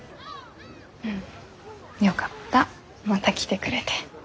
よかったまた来てくれて。